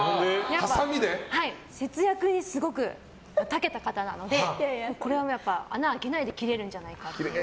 節約にすごく長けた方なのでやっぱ穴開けないで切れるんじゃないかと。